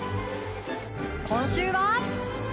今週は。